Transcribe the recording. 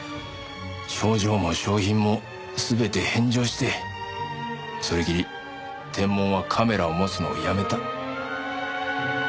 賞状も賞品も全て返上してそれきりテンモンはカメラを持つのをやめた。